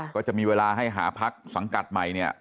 ก็จะมีเวลาให้หาพักสังกัดใหม่เนี่ย